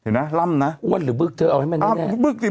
เห็นไหมล่ำน่ะอ้วนหรือบึกไหนเอาไว้แม่นหนูแน่นอ้าวบึกจริง